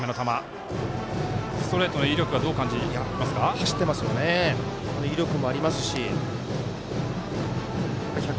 ストレートの威力どう感じますか？